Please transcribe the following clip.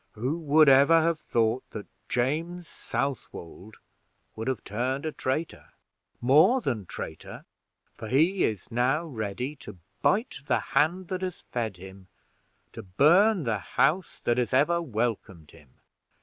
Who would ever have thought that James Southwold would have turned a traitor! more than traitor, for he is now ready to bite the hand that has fed him, to burn the house that has ever welcomed him.